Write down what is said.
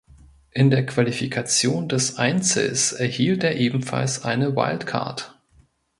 In der Qualifikation des Einzels erhielt er ebenfalls eine Wildcard.